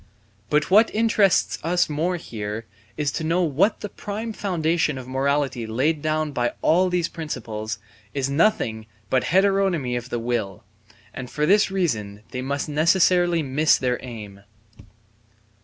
But what interests us more here is to know that the prime foundation of morality laid down by all these principles is nothing but heteronomy of the will, and for this reason they must necessarily miss their aim.